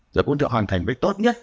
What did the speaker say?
rồi cũng được hoàn thành với tốt nhất